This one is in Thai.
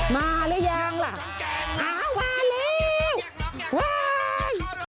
มาหรือยังล่ะอ้าวมาเลย